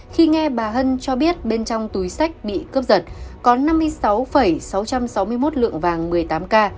khi nghe bà hân cho biết bên trong túi sách bị cướp giật có năm mươi sáu sáu trăm sáu mươi một lượng vàng một mươi tám k